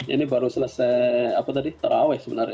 ini baru selesai apa tadi tarawih sebenarnya